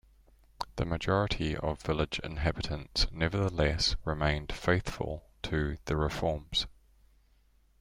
The majority of village inhabitants, nevertheless, remained faithful to the Reforms.